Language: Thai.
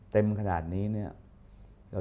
อเรนนี่แหละอเรนนี่แหละ